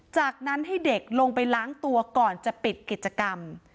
จากนั้นให้เด็กลงไปล้างตัวก่อนจะปิดกิจกรรม